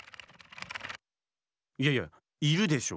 いやいやいるでしょ。